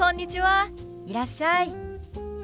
いらっしゃい。